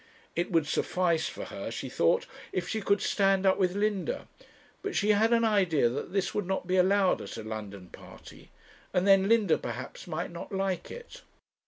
It would suffice for her, she thought, if she could stand up with Linda, but she had an idea that this would not be allowed at a London party; and then Linda, perhaps, might not like it.